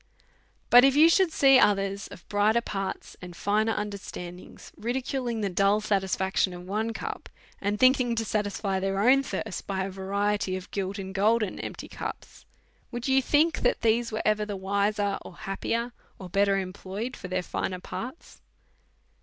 But if you should see others of brighter parts and finer understandings ridiculing the dull satisfaction of one cup, and thinking to satisfy their own thirst by a variety of gilt and golden empty cups, would you think that these were ever the wiser, or happier, or better employed, for their finer parts